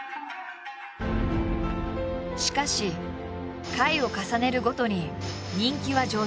しかし回を重ねるごとに人気は上昇。